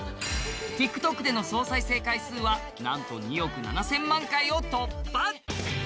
ＴｉｋＴｏｋでの総再生回数はなんと２億７０００万回を突破！